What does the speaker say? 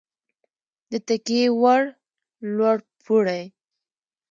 د تکیې وړ لوړ پوړی